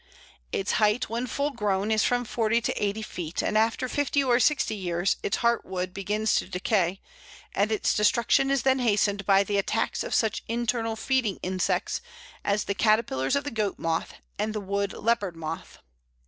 Its height, when full grown, is from forty to eighty feet, and after fifty or sixty years its heart wood begins to decay, and its destruction is then hastened by the attacks of such internal feeding insects as the caterpillars of the Goat moth and the Wood Leopard moth.